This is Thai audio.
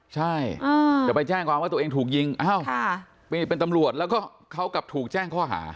ใช่จะไปแจ้งความว่าตัวเองถูกยิงอ้าวนี่เป็นตำรวจแล้วก็เขากลับถูกแจ้งข้อหา